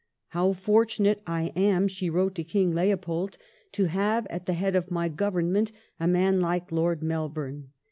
" How fortunate I am," she wrote to King Leopold, '' to have at the head of my Government a man like Lord Melbourne.